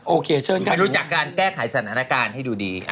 โอเคเชิญครับไปรู้จักการแก้ไขสถานการณ์ให้ดูดี